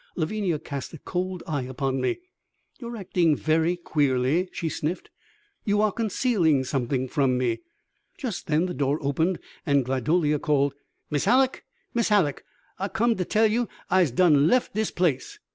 Lavinia cast a cold eye upon me. "You are acting very queerly," she sniffed. "You are concealing something from me." Just then the door opened and Gladolia called, "Mis' Hallock! Mis' Hallock! I've come to tell you I'se done lef' dis place."